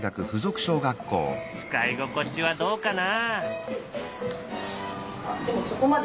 使い心地はどうかな？